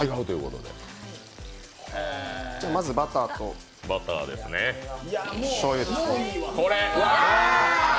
まずバターとしょうゆで。